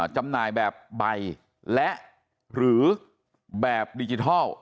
จำหน่ายแบบใบและหรือแบบดิจิทัล